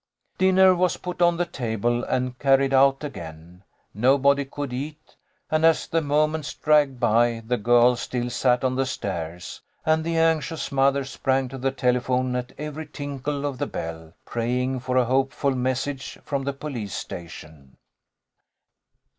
Dinner was put on the table and carried out again. Nobody could eat, and as the moments dragged by the girls still sat on the stairs, and the anxious mother sprang to the telephone at every tinkle of the bell, praying for a hopeful message from the police station.